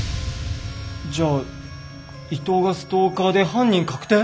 じゃあ伊藤がストーカーで犯人確定？